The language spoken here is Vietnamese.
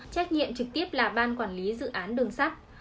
trách nhiệm trực tiếp là ban quản lý dự án đường sắt